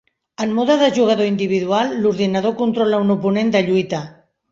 En mode de jugador individual, l'ordinador controla un oponent de lluita.